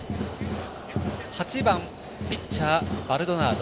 ８番、ピッチャーバルドナード。